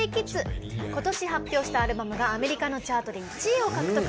ことしは発表したアルバムがアメリカのチャートで１位を獲得。